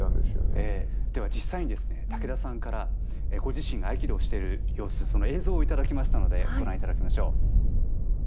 では実際にですね武田さんからご自身が合気道をしている様子その映像を頂きましたのでご覧いただきましょう。